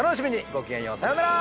ごきげんようさようなら！